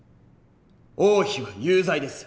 王妃は有罪です。